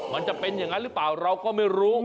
มันจะเป็นอย่างนั้นหรือเปล่าเราก็ไม่รู้